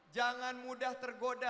jangan mudah tergoda